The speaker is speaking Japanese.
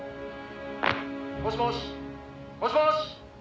「もしもし？もしもし！？」